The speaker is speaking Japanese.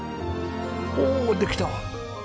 おおできた！